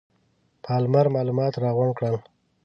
پالمر معلومات راغونډ کړل.